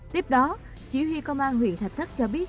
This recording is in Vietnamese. tiếp đó chỉ huy công an huyện thạch thất cho biết